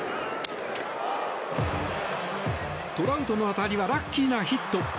トラウトの当たりはラッキーなヒット。